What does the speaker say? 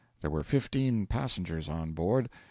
There were fifteen passengers on board.